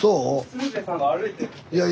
「鶴瓶さんが歩いてる」って。